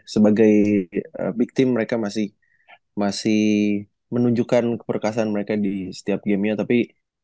sebagai big team mereka masih menunjukkan keperkasan mereka di setiap gamenya tapi